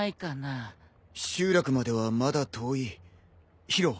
集落まではまだ遠い宙。